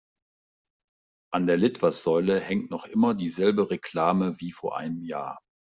An der Litfaßsäule hängt noch immer dieselbe Reklame wie vor einem Jahr.